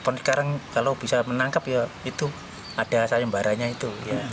bapak sekarang kalau bisa menangkap ya itu ada salim barianya itu